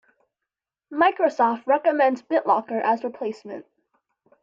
Microsoft recommends BitLocker as replacement.